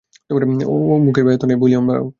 আরে, মুকেশ ভাইয়া তো নাই, ভলিউম বাড়াও।